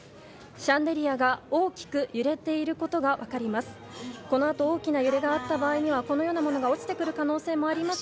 シャンデリアが、大きく揺れていることが分かります。